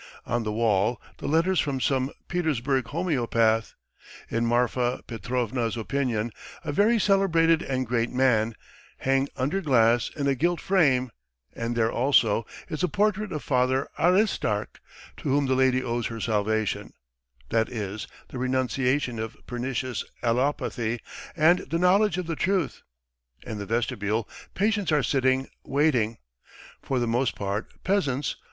On the wall the letters from some Petersburg homeopath, in Marfa Petrovna's opinion a very celebrated and great man, hang under glass in a gilt frame, and there also is a portrait of Father Aristark, to whom the lady owes her salvation that is, the renunciation of pernicious allopathy and the knowledge of the truth. In the vestibule patients are sitting waiting, for the most part peasants.